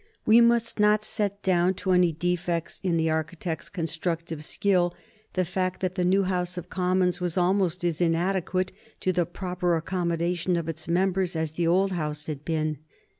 We must not set down to any defects in the architect's constructive skill the fact that the new House of Commons was almost as inadequate to the proper accommodation of its members as the old House had been.